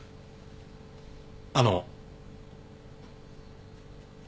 あの。